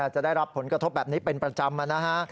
จะได้รับผลกระทบแบบนี้เป็นประจำนะฮะ